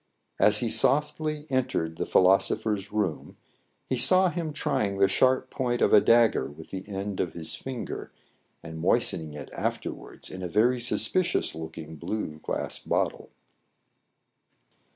As he softly entered the philosopher's room, he saw him trying the sharp point of a dagger with the end of his finger, and moistening it afterwards in a very suspicious looking blue glass bottle.